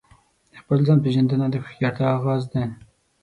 د خپل ځان پیژندنه د هوښیارتیا آغاز دی.